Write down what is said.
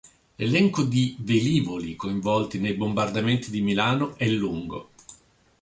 L'elenco di velivoli coinvolti nei bombardamenti di Milano è lungo.